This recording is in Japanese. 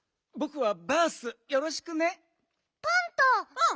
うん。